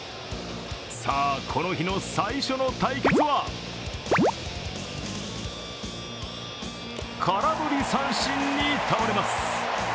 さあ、この日の最初の対決は空振り三振に倒れます。